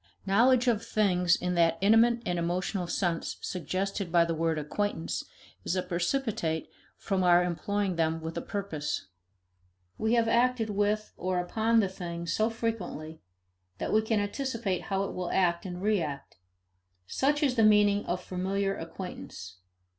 Knowledge of things in that intimate and emotional sense suggested by the word acquaintance is a precipitate from our employing them with a purpose. We have acted with or upon the thing so frequently that we can anticipate how it will act and react such is the meaning of familiar acquaintance.